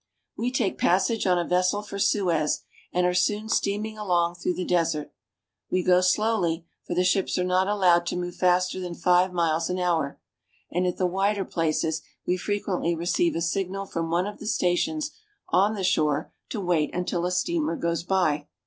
We take passage on a vessel for Suez, and are soon steaming along through the desert. We go slowly, for the ships are not allowed to move faster than five miles an hour ; and at the wider places we frequently receive a signal from one of the stations on the shore to wait until a steamer goes by.